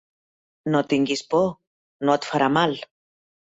No tinguis por, no et farà mal.